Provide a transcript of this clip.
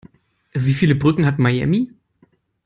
Wie viele Brücken hat Miami?